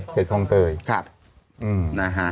เขตคลองเตยค่ะนะฮะ